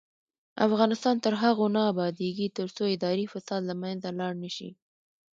افغانستان تر هغو نه ابادیږي، ترڅو اداري فساد له منځه لاړ نشي.